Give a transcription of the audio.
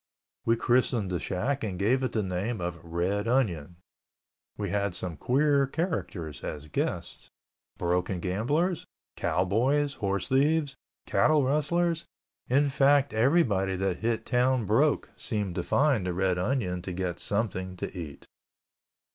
We christened the shack and gave it the name of Red Onion. We had some queer characters as guests. Broken gamblers, cowboys, horse thieves, cattle rustlers, in fact, everybody that hit town broke seemed to find the Red Onion to get something to eat.